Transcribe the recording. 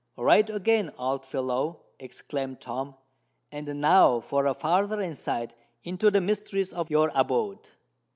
"Right again, old fellow!" exclaimed Tom, "And now for a farther insight into the mysteries of your abode."